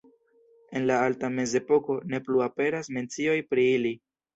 En la Alta Mezepoko ne plu aperas mencioj pri ili.